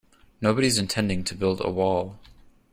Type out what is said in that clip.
Nobody's intending to build a wall.